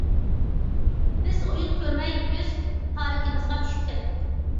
بىز ئويۇن كۆرمەي ئۆز پارىڭىمىزغا چۈشۈپ كەتتۇق.